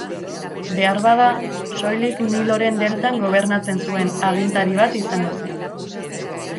Beharbada, soilik Niloren deltan gobernatzen zuen agintari bat izango zen.